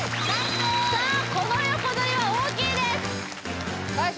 さあこの横取りは大きいです大昇